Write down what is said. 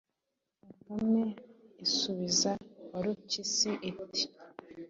Bakame isubiza Warupyisi iti: “